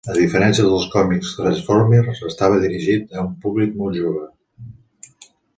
A diferència dels còmics Transformers, estava dirigit a un públic molt jove.